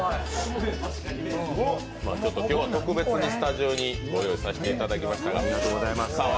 今日は特別にスタジオにご用意させていただきましたが。